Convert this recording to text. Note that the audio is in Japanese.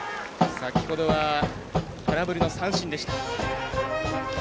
先ほどは、空振りの三振でした。